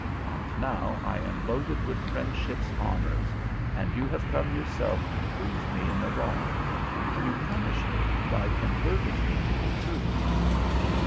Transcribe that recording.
And now I am loaded with friendship's honors, and you have come yourself to prove me in the wrong. You punish me by converting me to the truth."